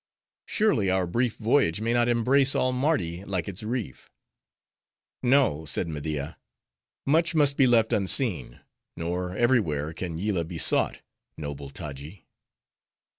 "Surely, our brief voyage, may not embrace all Mardi like its reef?" "No," said Media, "much must be left unseen. Nor every where can Yillah be sought, noble Taji."